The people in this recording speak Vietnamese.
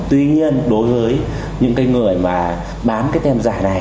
tuy nhiên đối với những người bán tem giả này